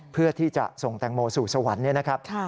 เพื่อที่จะส่งแตงโมสู่สวรรค์เนี่ยนะครับ